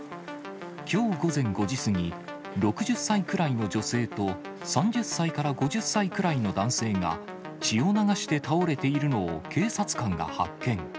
きょう午前５時過ぎ、６０歳くらいの女性と、３０歳から５０歳くらいの男性が血を流して倒れているのを、警察官が発見。